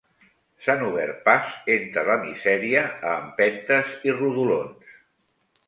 S'han obert pas entre la misèria a empentes i rodolons.